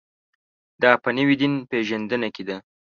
دا په نوې دین پېژندنه کې ده.